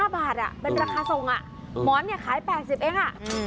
๕บาทเป็นราคาส่งอ่ะหมอนเนี่ยขาย๘๐เอง